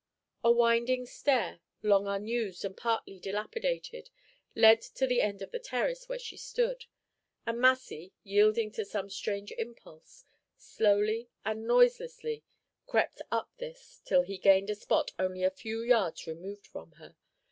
A winding stair, long unused and partly dilapidated, led to the end of the terrace where she stood, and Massy, yielding to some strange impulse, slowly and noiselessly crept up this till he gained a spot only a few yards removed from her.